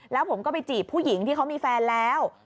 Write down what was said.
แล้วผมก็ไปจีบผู้หญิงที่เขามีแฟนแล้ว